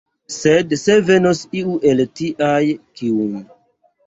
Sed se venos iu el tiaj, kiun.